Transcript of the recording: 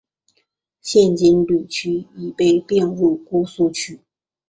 现金阊区已被并入姑苏区。